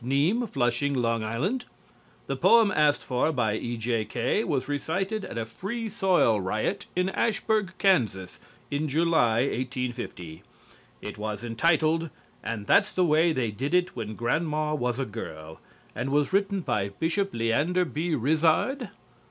NEAM, Flushing, L.I. The poem asked for by "E.J.K." was recited at a Free Soil riot in Ashburg, Kansas, in July, 1850. It was entitled, "And That's the Way They Did It When Grandma Was a Girl," and was written by Bishop Leander B. Rizzard.